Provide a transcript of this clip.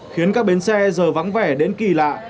khiến các bến xe giờ vắng vẻ đến kỳ lạ